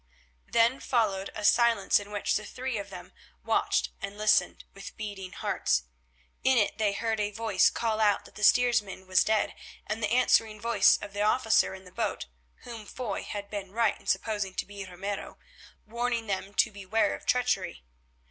Then followed a silence in which the three of them watched and listened with beating hearts. In it they heard a voice call out that the steersman was dead, and the answering voice of the officer in the boat, whom Foy had been right in supposing to be Ramiro, warning them to beware of treachery.